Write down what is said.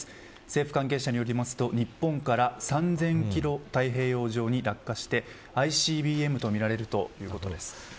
政府関係者によりますと日本から３０００キロ太平洋上に落下してＩＣＢＭとみられるということです。